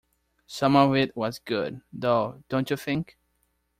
Some of it was good, though, don't you think?